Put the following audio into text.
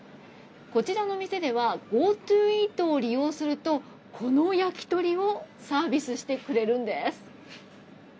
こちらの店ではＧｏＴｏイートを利用するとこの焼き鳥をサービスしてくれるんです。